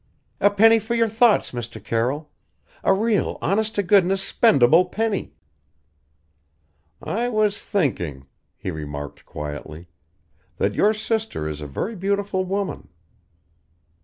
"A penny for your thoughts, Mr. Carroll. A real honest to goodness spendable penny!" "I was thinking," he remarked quietly, "that your sister is a very beautiful woman."